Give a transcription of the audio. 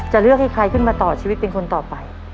จะเลือกให้ใครขึ้นมาต่อชีวิตเป็นคนต่อไป